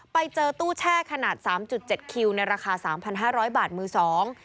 ไปเจอตู้แช่ขนาด๓๗คิวในราคา๓๕๐๐บาทมือสอง